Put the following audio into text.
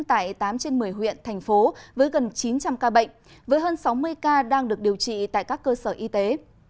tại tám trên một mươi huyện thành phố với gần chín trăm linh ca bệnh với hơn sáu mươi ca đang được điều trị tại các cơ sở y tế